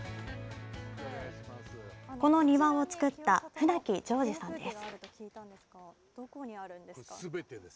この庭を造った船木上次さんです。